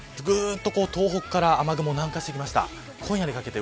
東北から雨雲が南下してきました。